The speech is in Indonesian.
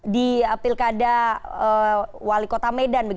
di pilkada wali kota medan